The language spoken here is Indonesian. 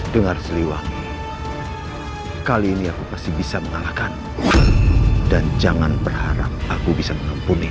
dengar seliwah kali ini aku pasti bisa mengalahkan dan jangan berharap aku bisa mengampuni